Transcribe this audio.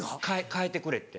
替えてくれって。